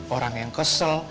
orang yang kesel